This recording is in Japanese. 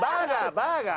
バーガー。